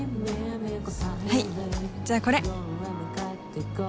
はいじゃあこれ。